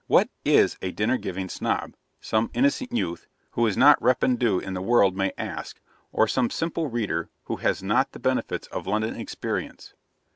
'What IS a Dinner giving Snob?' some innocent youth, who is not REPANDU in the world, may ask or some simple reader who has not the benefits of London experience.